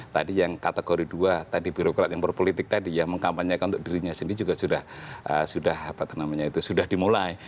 tadi yang kategori dua tadi birokrat yang berpolitik tadi ya mengkampanyekan untuk dirinya sendiri juga sudah dimulai